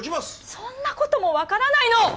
そんな事もわからないの！